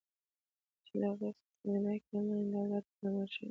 چې له هغې څخه تر نيمايي کمه اندازه تمويل شوې ده.